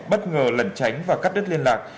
bất ngờ lẩn tránh và cắt đứt liên lạc